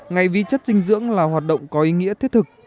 ngày vi chất dinh dưỡng là hoạt động có ý nghĩa thiết thực